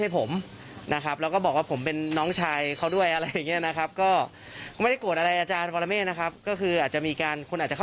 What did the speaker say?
เหมือนกันว่ากลุ่ม๕คนนี้จะติดต่อธนายอยู่๒คนนะ